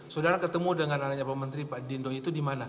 sudara ketemu dengan anaknya pak menteri pak dindo itu dimana